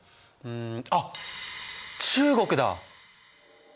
あっ中国だ！